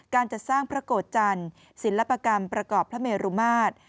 การจัดสร้างพระโกรธจันทร์ศิลปกรรมประกอบพระเมรุมาตร